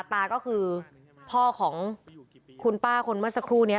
ตาก็คือพ่อของคุณป้าคนเมื่อสักครู่นี้